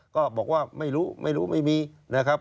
ก็บอกว่าไม่รู้ไม่รู้ไม่มีนะครับ